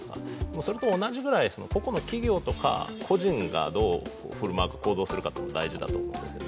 それと同じぐらい個々の企業とか個人がどう行動するかが大事だと思うんですよね。